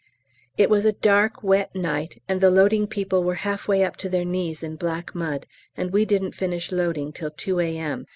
It was a dark wet night, and the loading people were half way up to their knees in black mud, and we didn't finish loading till 2 A.M.